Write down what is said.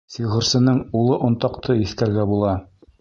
Сихырсының улы онтаҡты еҫкәргә була.